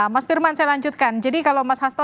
mas firman saya lanjutkan jadi kalau mas hasto